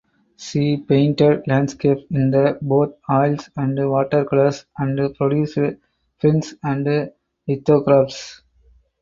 She painted landscapes in both oils and watercolours and produced prints and lithographs.